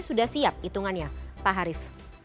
sudah siap hitungannya pak harif